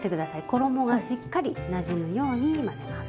衣がしっかりなじむように混ぜます。